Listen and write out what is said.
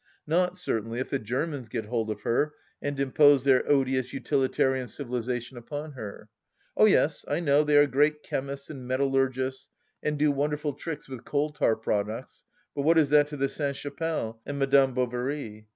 Not, certainly, if the Germans get hold of her and impose their odious utilitarian civilization upon her. Oh yes, I know they are great chemists and metallur gists and do wonderful tricks with coal tar products, but what is that to the Sainte Chapelle and Madame Bovary